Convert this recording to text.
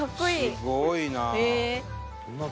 すごいな。